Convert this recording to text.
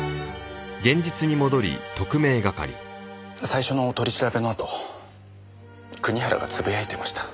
最初の取り調べのあと国原がつぶやいてました。